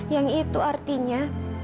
yang itu artinya